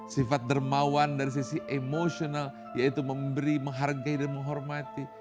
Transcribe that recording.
sifat dermawan dari sisi emosional yaitu memberi menghargai dan menghormati